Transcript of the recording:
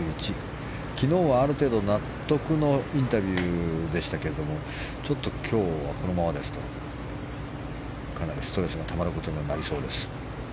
昨日はある程度納得のインタビューでしたけれどもちょっと今日はこのままですとかなりストレスがたまることにはなりそうです。